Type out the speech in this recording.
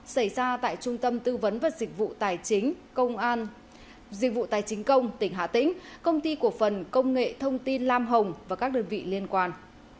xảy ra tại trung tâm tư vấn và dịch vụ tài chính công an dịch vụ tài chính công tỉnh hà tĩnh công ty của phần công nghệ thông tin lam hồng và các đơn vị liên quan